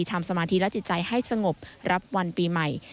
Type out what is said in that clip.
สมาธิและจิตใจให้สงบรับวันปีใหม่